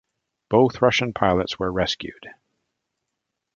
Both Russian pilots were rescued.